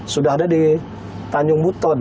sudah ada di tanjung buton